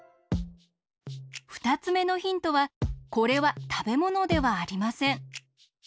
ふたつめのヒントはこれはたべものではありません。